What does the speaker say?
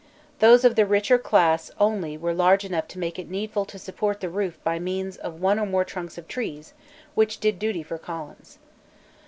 Those of the richer class only were large enough to make it needful to support the roof by means of one or more trunks of trees, which did duty for columns.